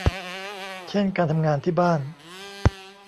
เช่นการทำงานที่บ้าน